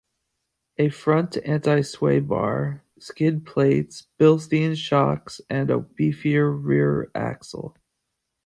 A front anti-sway bar, skid plates, Bilstein shocks, and a beefier rear axle.